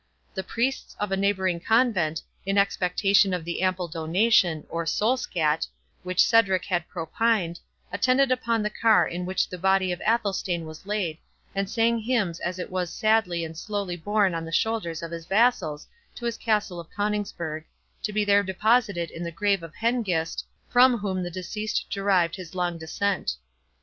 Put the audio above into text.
The priests of a neighbouring convent, in expectation of the ample donation, or "soul scat", which Cedric had propined, attended upon the car in which the body of Athelstane was laid, and sang hymns as it was sadly and slowly borne on the shoulders of his vassals to his castle of Coningsburgh, to be there deposited in the grave of Hengist, from whom the deceased derived his long descent.